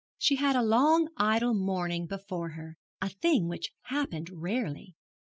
She had a long idle morning before her, a thing which happened rarely.